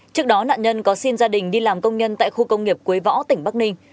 trước đó nạn nhân có xin gia đình đi làm công nhân tại khu công nghiệp quế võ tỉnh bắc ninh